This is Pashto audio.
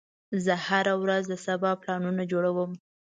زه هره ورځ د سبا پلانونه جوړوم.